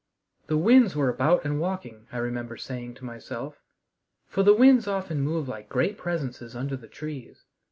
The winds were about and walking, I remember saying to myself; for the winds often move like great presences under the trees.